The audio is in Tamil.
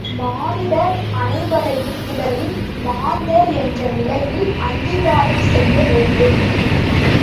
மானிடர் அனைவரையும் முதலில் மாந்தர் என்ற நிலையில் அங்கீகாரம் செய்ய வேண்டும்.